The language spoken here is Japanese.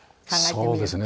そうですね。